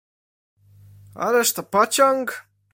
"Ależ to pociąg!"